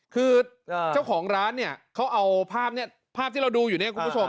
คือเจ้าของร้านเนี่ยเขาเอาภาพนี้ภาพที่เราดูอยู่เนี่ยคุณผู้ชม